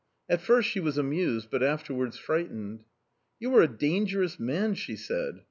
At first she was amused, but afterwards frightened. "You are a dangerous man!" she said.